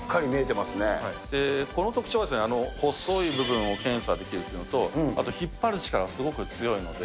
この特徴は細い部分を検査できるというのと、あと引っ張る力、すごく強いので。